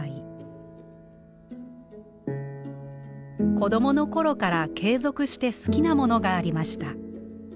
子どもの頃から継続して好きなものがありました。